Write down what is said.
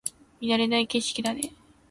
見慣れない景色だね